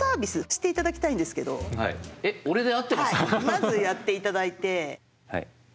まずやっていただいて。